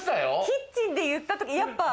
キッチンで言った時やっぱ。